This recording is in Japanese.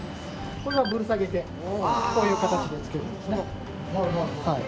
これはぶら下げてこういう形でつけるんですね。